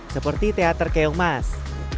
seperti teater keongmas